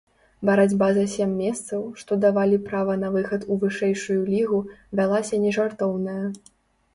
Барацьба за сем месцаў, што давалі права на выхад у вышэйшую лігу, вялася нежартоўная.